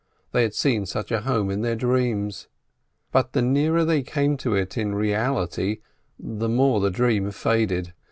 They had seen such a home in their dreams. But the nearer they came to it in reality, the more the dream faded.